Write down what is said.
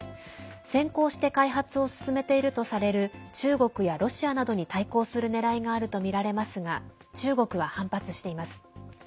先行して開発を進めているとされる中国やロシアなどに対抗するねらいがあるとみられますが中国は反発しています。